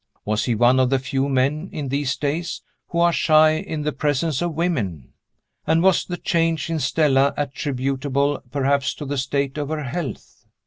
Was he one of the few men, in these days, who are shy in the presence of women? And was the change in Stella attributable, perhaps, to the state of her health?